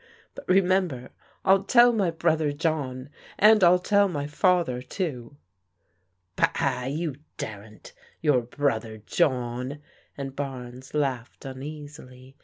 But remember. 111 tell my brother John, and I'll tell my father, too." " Bah, you daren't f Your brother John !" and Barnes laughed tmeasily.